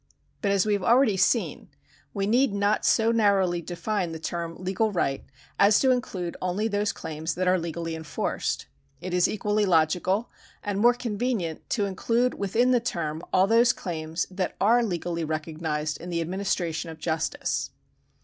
But as we have already seen, we need not so narrowly define the term legal right, as to include only those claims that are legally enforced. It is equally logical and more convenient to in clude within the term all those claims that are legally recog nised in the administration of justice.